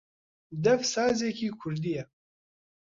دەف سازێکی کوردییە